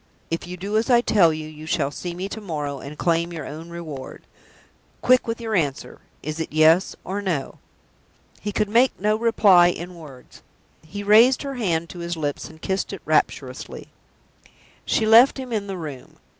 If you do as I tell you, you shall see me to morrow, and claim your own reward. Quick with your answer! Is it Yes or No?" He could make no reply in words. He raised her hand to his lips, and kissed it rapturously. She left him in the room.